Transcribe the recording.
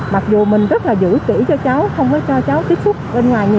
mặc dù mình rất là giữ kỹ cho cháu không có cho cháu tiếp xúc bên ngoài nhiều